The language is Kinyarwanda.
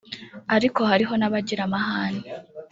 ariko hariho n’abagira amahane